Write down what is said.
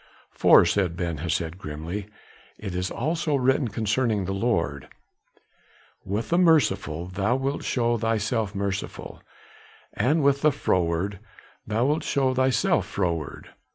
"For," said Ben Hesed grimly, "it is also written concerning the Lord, 'With the merciful thou wilt show thyself merciful, and with the froward thou wilt show thyself froward.